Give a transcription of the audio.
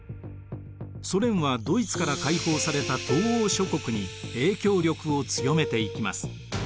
ソ連はドイツから解放された東欧諸国に影響力を強めていきます。